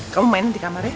kamu main di kamarnya